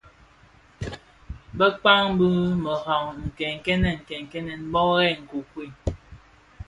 Bekpag bi meraň nkènèn kènèn mböghèn nkokuei.